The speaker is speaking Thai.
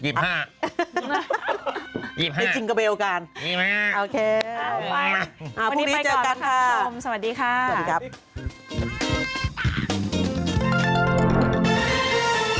เขายังไม่ได้มาช่วย